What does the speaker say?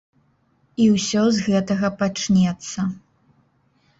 І ўсё з гэтага пачнецца.